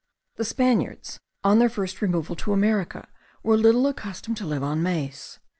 The Spaniards on their first removal to America were little accustomed to live on maize.